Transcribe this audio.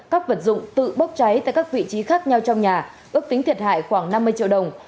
các vật dụng tự bốc cháy tại các vị trí khác nhau trong nhà ước tính thiệt hại khoảng năm mươi triệu đồng